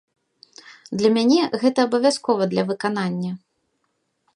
Для мяне гэта абавязкова для выканання.